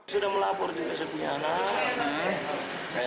sudah melapor di desa punya anak